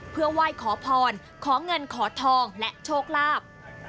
เพื่อไหว้ขอพรขอเงินขอทองและโชคลาภ